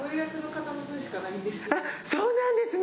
そうなんですね。